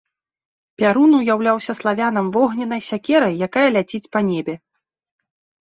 Пярун уяўляўся славянам вогненнай сякерай, якая ляціць па небе.